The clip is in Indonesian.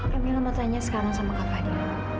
kak mila mau tanya sekarang sama kak fadil